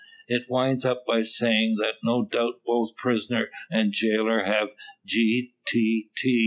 It winds up by saying, that no doubt both prisoner and jailer have G.T.